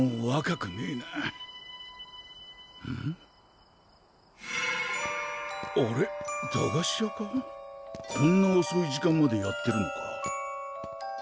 こんなおそい時間までやってるのか。